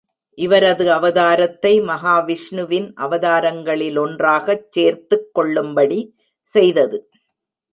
இவரது அவதாரத்தை, மஹாவிஷ்ணுவின் அவதாரங்களிலொன்றாகச் சேர்த்துக் கொள்ளும்படி செய்தது.